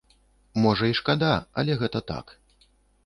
Можа і шкада, але гэта так.